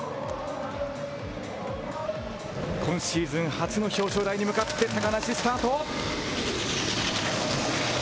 今シーズン初の表彰台に向かって高梨、スタート。